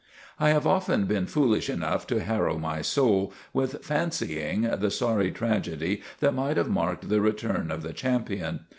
I have often been foolish enough to harrow my soul with fancying the sorry tragedy that might have marked the return of the champion.